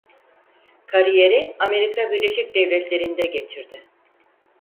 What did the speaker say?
Kariyeri Amerika Birleşik Devletleri'nde geçirdi.